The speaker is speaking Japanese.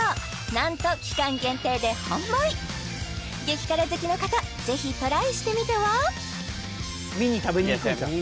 なんと期間限定で販売激辛好きの方ぜひトライしてみては？